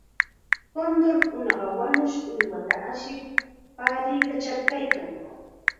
Kunturqa wañushqa uywakunata ashir paariykachaykan.